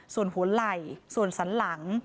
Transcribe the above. ส่วนหัวไหล่ส่วนสันหลัง